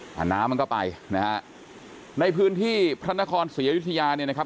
แต่น้ำมันก็ไปนะฮะในพื้นที่พระนครศรีอยุธยาเนี่ยนะครับ